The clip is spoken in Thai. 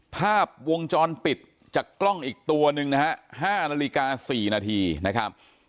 ภาพวงจรปิดจากกล้องอีกตัวหนึ่งนะฮะ๕นาฬิกา๔นาทีนะครับ